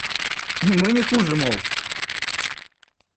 И мы не хуже, мол!